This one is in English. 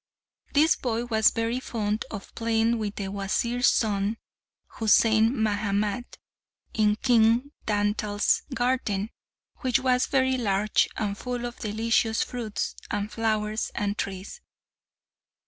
This boy was very fond of playing with the Wazir's son, Husain Mahamat, in King Dantal's garden, which was very large and full of delicious fruits, and flowers, and trees.